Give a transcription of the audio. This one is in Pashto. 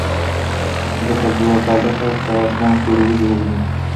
ده پرده کش کړه او اسمان کې یې وریځې ولیدې.